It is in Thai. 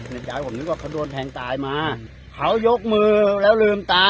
ในใจผมนึกว่าเขาโดนแทงตายมาเขายกมือแล้วลืมตา